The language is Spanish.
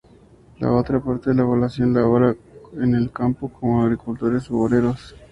La otra parte de la población labora en el campo como agricultores u obreros.